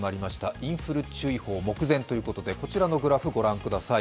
インフル注意報目前ということでこちらのグラフをご覧ください。